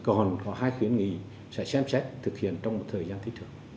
còn có hai khuyến nghị sẽ xem xét thực hiện trong một thời gian tích cực